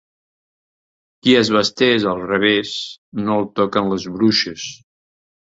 Qui es vesteix al revés no el toquen les bruixes.